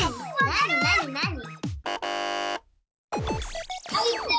なになになに？